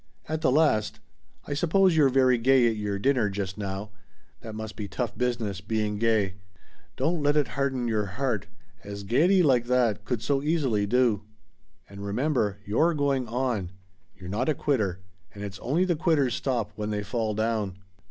At the last: "I suppose you're very gay at your dinner just now. That must be tough business being gay. Don't let it harden your heart as gayety like that could so easily do. And remember you're going on! You're not a quitter. And it's only the quitters stop when they fall down."